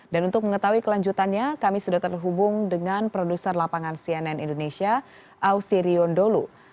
dan untuk mengetahui kelanjutannya kami sudah terhubung dengan produser lapangan cnn indonesia ausi riondolu